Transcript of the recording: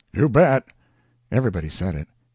"You bet!" Everybody said it.